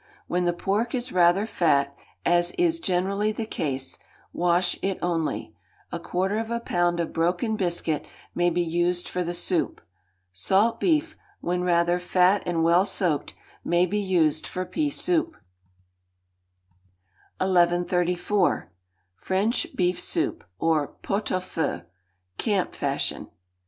When the pork is rather fat, as is generally the case, wash it only; a quarter of a pound of broken biscuit may be used for the soup. Salt beef, when rather fat and well soaked, may be used for pea soup. 1134. French Beef Soup, or Pot au Feu (Camp Fashion).